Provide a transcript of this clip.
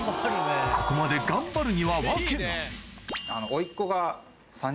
ここまで頑張るには訳が違う。